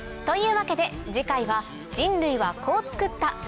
というわけで次回は人類はこう作った！